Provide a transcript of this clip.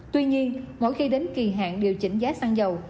tuy nhiên mỗi khi đến kỳ hạn điều chỉnh giá xăng dầu